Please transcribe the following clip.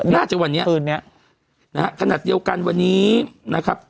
น่าจะวันนี้ขณะเดียวกันวันนี้นะครับ